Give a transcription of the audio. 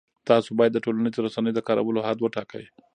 تاسو باید د ټولنیزو رسنیو د کارولو حد وټاکئ.